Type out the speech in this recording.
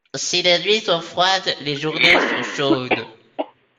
Si les nuits sont froides, les journées sont chaudes.